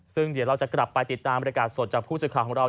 ซึ่งเดี๋ยวเราจะกลับไปติดตามบริการสดจากผู้สื่อข่าวของเรา